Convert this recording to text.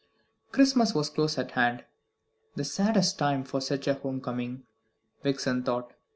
Christmas was close at hand. The saddest time for such a home coming, Vixen thought.